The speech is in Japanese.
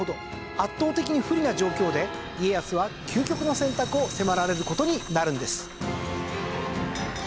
圧倒的に不利な状況で家康は究極の選択を迫られる事になるんです。